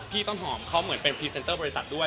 ต้นหอมเขาเหมือนเป็นพรีเซนเตอร์บริษัทด้วย